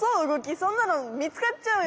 そんなのみつかっちゃうよ。